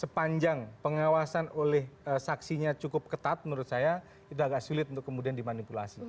sepanjang pengawasan oleh saksinya cukup ketat menurut saya itu agak sulit untuk kemudian dimanipulasi